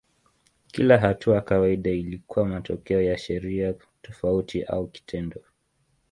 Kila hatua kawaida ilikuwa matokeo ya sheria tofauti au kitendo.